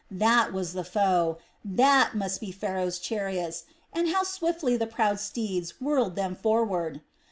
That was the foe, that must be Pharaoh's chariots, and how swiftly the proud steeds whirled them forward.